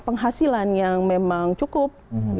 penghasilan yang memang cukup